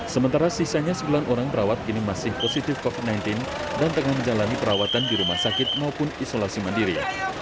sementara sisanya sembilan orang perawat kini masih positif covid sembilan belas dan tengah menjalani perawatan di rumah sakit maupun isolasi mandiri